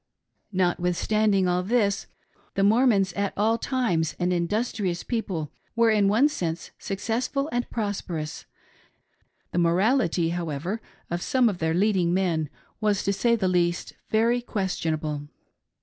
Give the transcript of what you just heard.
Notwithstanding all this, the Mornions, at all times an industrious people, were in one s^nse successful and prosper 19 306 "WHITTLING OUt" A GENTILE. ous ; the morality, however, of some of their leading men was to say the least very questionable.